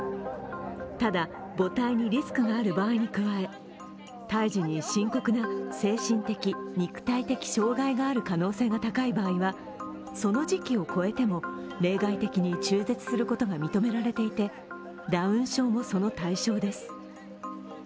ただ、母体にリスクがある場合に加え、胎児に深刻な精神的・肉体的障害がある可能性が高い場合は、その時期を超えても例外的に中絶することが認められていて、ダウン症もその対象です。